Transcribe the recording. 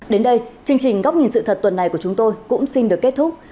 đến đây chương trình góc nhìn sự thật tuần này của chúng tôi cũng xin được kết thúc